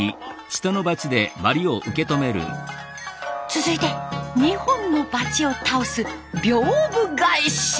続いて２本の撥を倒す「屏風返し」。